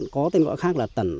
có tên gọi khác là tần